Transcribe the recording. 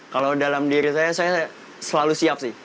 kalau dalam diri saya saya selalu siap sih